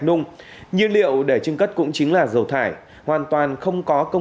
nung như liệu để chương cất cũng chính là dầu thải hoàn toàn không có công